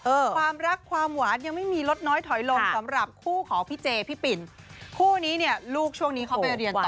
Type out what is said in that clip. ความรักความหวานยังไม่มีลดน้อยถอยลงสำหรับคู่ของพี่เจพี่ปิ่นคู่นี้เนี่ยลูกช่วงนี้เขาไปเรียนต่อ